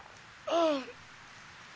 ああ。